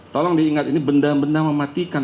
tolong diingat ini benda benda mematikan